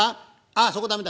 あそこ駄目だ！